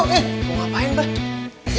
mau ngapain bah